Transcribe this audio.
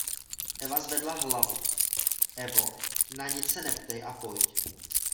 Eva zvedla hlavu, Evo, na nic se neptej a pojď.